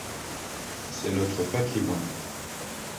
C'est notre patrimoine.